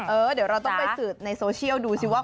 เออเดี๋ยวเราต้องไปสืบในโซเชียลดูสิว่า